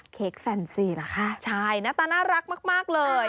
เค้กแฟนซีเหรอคะใช่หน้าตาน่ารักมากเลย